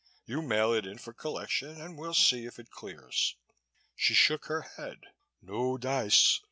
You mail it in for collection and we'll see if it clears." She shook her head. "No dice!